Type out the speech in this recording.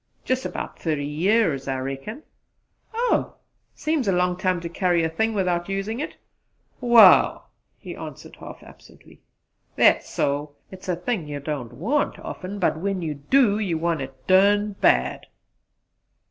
"Jus' 'bout thirty years, I reckon!" "Oh! Seems a long time to carry a thing without using it!" "Waal," he answered half absently, "thet's so. It's a thing you don't want orfen but when you do, you want it derned bad!"